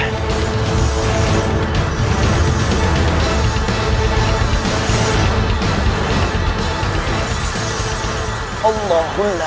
asal kau jadi pengikutku